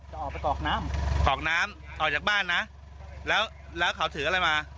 ออกไปกรอกน้ำกรอกน้ำออกจากบ้านนะแล้วเขาถืออะไรมา